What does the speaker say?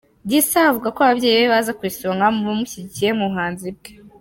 Gisa avuga ko ababyeyi be baza ku isonga mu bamushyigikiye mu buhanzi bwe.